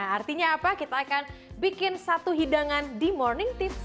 artinya apa kita akan bikin satu hidangan di morning tips